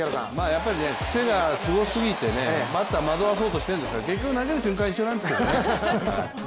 やっぱり癖がすごすぎて、バッターを惑わそうとしてるんですけど結局投げる瞬間は一緒なんですけどね。